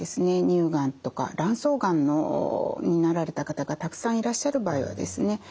乳がんとか卵巣がんになられた方がたくさんいらっしゃる場合はですね